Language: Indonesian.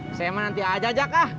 bisa emang nanti aja jak ah